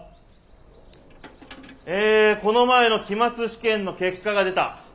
ええこの前の期末試験の結果が出た。